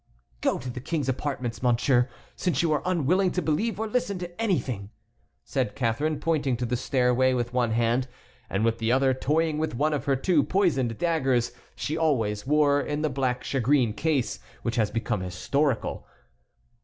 "Go to the King's apartments, monsieur, since you are unwilling to believe or listen to anything," said Catharine, pointing to the stairway with one hand, and with the other toying with one of the two poisoned daggers she always wore in the black shagreen case, which has become historical.